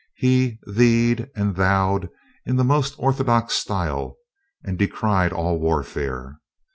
He "thee'd" and "thou'd" in the most orthodox style, and decried all warfare.